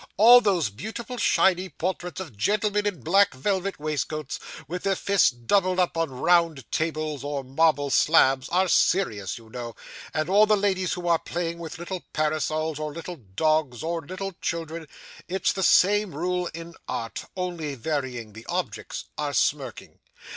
All those beautiful shiny portraits of gentlemen in black velvet waistcoats, with their fists doubled up on round tables, or marble slabs, are serious, you know; and all the ladies who are playing with little parasols, or little dogs, or little children it's the same rule in art, only varying the objects are smirking.